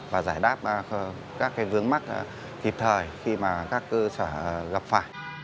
và giải đáp các vướng mắc kịp thời khi mà các cơ sở gặp phải